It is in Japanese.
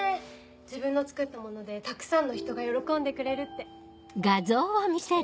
自分が作ったものでたくさんの人が喜んでくれるって。